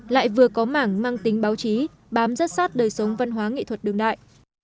lại vừa có mảng mang tính báo chí bám rất sát đời sống văn hóa nghệ thuật đường đại